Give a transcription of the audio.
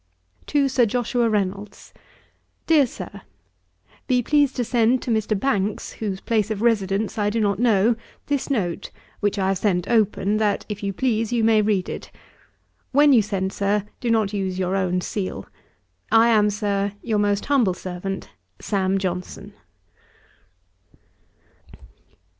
'To SIR JOSHUA REYNOLDS. 'DEAR SIR, 'Be pleased to send to Mr. Banks, whose place of residence I do not know, this note, which I have sent open, that, if you please, you may read it. 'When you send it, do not use your own seal. 'I am, Sir, 'Your most humble servant, 'SAM. JOHNSON.'